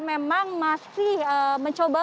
memang masih mencoba